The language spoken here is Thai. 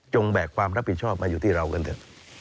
แบกความรับผิดชอบมาอยู่ที่เรากันเถอะ